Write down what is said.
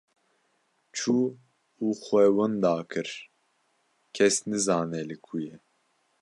Çû û xwe wenda kir, kes nizane li ku ye.